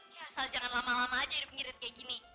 ya asal jangan lama lama aja irit irit kayak gini